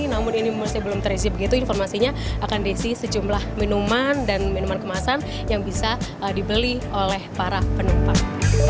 namun ini masih belum terisi begitu informasinya akan diisi sejumlah minuman dan minuman kemasan yang bisa dibeli oleh para penumpang